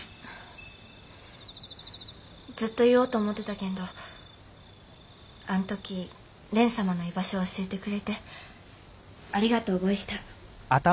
ずっと言おうと思ってたけんどあん時蓮様の居場所を教えてくれてありがとうごいした。